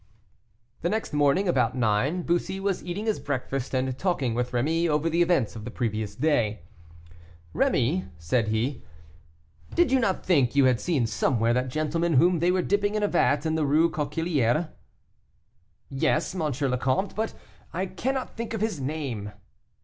The next morning, about nine, Bussy was eating his breakfast, and talking with Rémy over the events of the previous day. "Rémy," said he, "did you not think you had seen somewhere that gentleman whom they were dipping in a vat in the Rue Coquillière?" "Yes, M. le Comte, but I cannot think of his name."